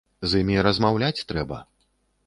З імі размаўляць трэба.